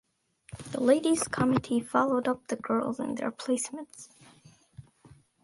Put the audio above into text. The ladies committee followed up the girls in their placements.